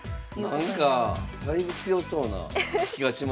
なんかだいぶ強そうな気がしますが。